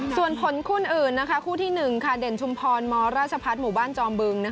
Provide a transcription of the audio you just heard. ส่วนผลคู่อื่นคู่ที่๑เด่นชุมพรมราชพัฒน์หมู่บ้านจอมบึง